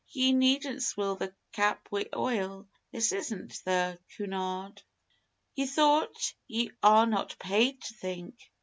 Ye needn't swill the cap wi' oil this isn't the Cunard. Ye thought? Ye are not paid to think.